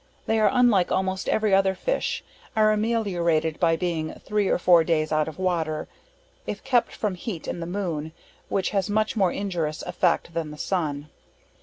They are unlike almost every other fish, are ameliorated by being 3 or 4 days out of water, if kept from heat and the moon, which has much more injurious effect than the sun.